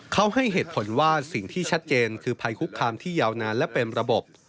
เขาให้เหตุผลว่าสิ่งที่ชัดเจนคือภัยคุกคามที่ยาวนานและเป็นระบบ